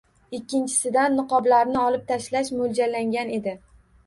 Ikkinchidan, niqoblarni olib tashlash mo'ljallangan edi